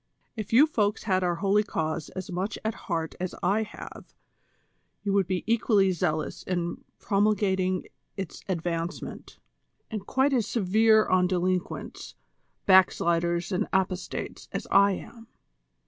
If you folks had our holy cause as much at heart as I have, you would be equally zealous in promulgating its advancement, and quite as severe on delinquents, back sliders and apostates as I am."